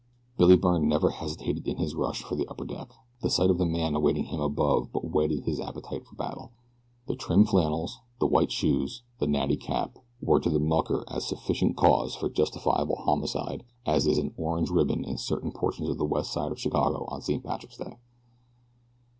Billy Byrne never hesitated in his rush for the upper deck. The sight of the man awaiting him above but whetted his appetite for battle. The trim flannels, the white shoes, the natty cap, were to the mucker as sufficient cause for justifiable homicide as is an orange ribbon in certain portions of the West Side of Chicago on St. Patrick's Day.